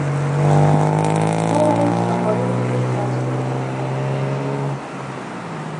ما ویل په مقالو کې د ښکنځلو حقوق خوندي دي.